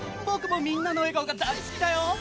僕もみんなの笑顔が大好きだよ。